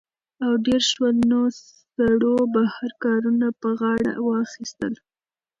او ډېر شول؛ نو سړو بهر کارونه په غاړه واخىستل